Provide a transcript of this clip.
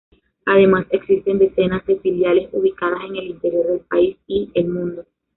Además existen decenas de filiales ubicadas en el interior del país y el mundo.